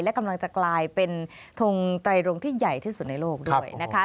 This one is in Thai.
และกำลังจะกลายเป็นทงไตรรงที่ใหญ่ที่สุดในโลกด้วยนะคะ